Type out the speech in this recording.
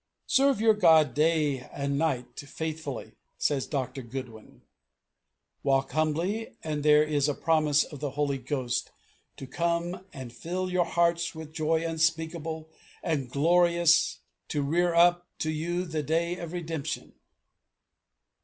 "Serve your God day and night faithfully," says Dr. Goodwin. "Walk humbly; and there is a promise of the Holy Ghost to come and fill your hearts with joy unspeakable and glorious to rear you up to the day of redemption.